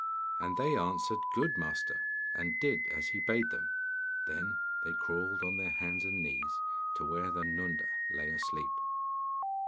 And they answered, 'Good, master,' and did as he bade them. Then they crawled on their hands and knees to where the Nunda lay asleep.